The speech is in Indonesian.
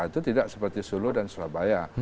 itu tidak seperti sulu dan sulawabaya